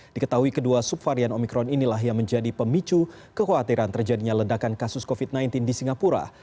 diketahui kedua subvarian omikron inilah yang menjadi pemicu kekhawatiran terjadinya ledakan kasus covid sembilan belas di singapura